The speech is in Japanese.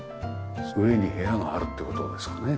上に部屋があるって事ですかね？